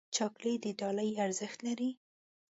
چاکلېټ د ډالۍ ارزښت لري.